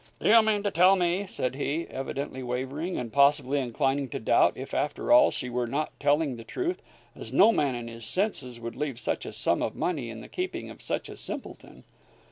"Do you mean to tell me " said he, evidently wavering, and possibly inclining to doubt if, after all, she were not telling the truth, as no man in his senses would leave such a sum of money in the keeping of such a simpleton.